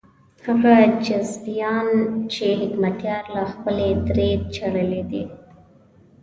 هغه حزبيان چې حکمتیار له خپلې درې شړلي دي.